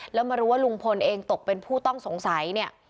แล้วมารู้ว่าลุงพลเองตกเป็นผู้ต้องสงสัยเนี่ย